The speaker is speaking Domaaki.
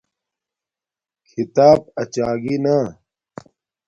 کھیتاپ اچاگی نا